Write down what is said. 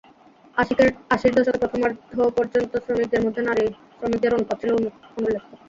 আশির দশকের প্রথমার্ধ পর্যন্ত শ্রমিকদের মধ্যে নারী শ্রমিকদের অনুপাত ছিল অনুল্লেখ্য।